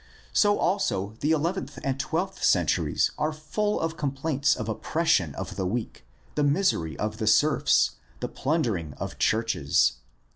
So also the eleventh and the twelfth centuries are full of complaints of oppression of the weak, the misery of the serfs, the plundering of churches.